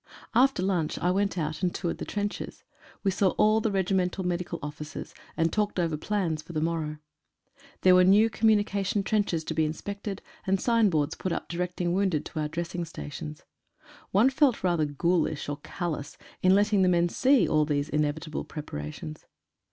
After lunch I went out and toured the trenches. We saw all the regi mental medical officers and talked over plans for the mor row . There were new communication trenches to be in spected and signboards put up directing wounded to our dressing stations. One felt rather ghoulish or callous in letting the men see all these inevitable preparations.